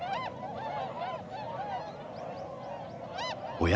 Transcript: おや？